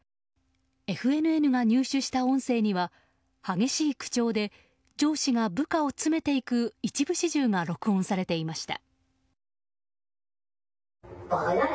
ＦＮＮが入手した音声には激しい口調で上司が部下を詰めていく一部始終が録音されていました。